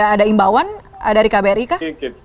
ada imbauan dari kbri kah